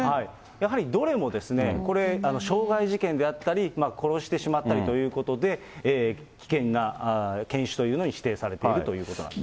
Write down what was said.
やはりどれも傷害事件であったり、殺してしまったりということで、危険な犬種というのに指定されているということなんです。